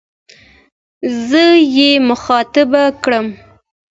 زه يې مخاطب کړم.